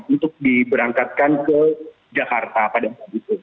untuk diberangkatkan ke jakarta pada saat itu